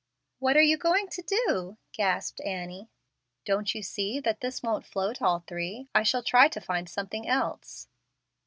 "What are you going to do?" gasped Annie. "Don't you see that this won't float all three? I shall try to find something else."